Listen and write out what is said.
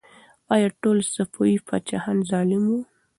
آیا ټول صفوي پاچاهان ظالم وو؟